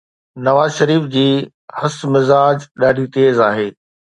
نواز شريف جي حس مزاح ڏاڍي تيز آهي.